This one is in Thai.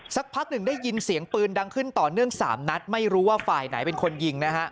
สักพักหนึ่งได้ยินเสียงปืนดังขึ้นต่อเนื่องสามนัดไม่รู้ว่าฝ่ายไหนเป็นคนยิงนะฮะ